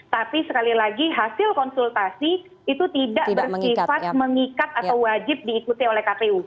tapi sekali lagi hasil konsultasi itu tidak bersifat mengikat atau wajib diikuti oleh kpu